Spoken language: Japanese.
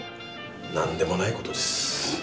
何でもないことです。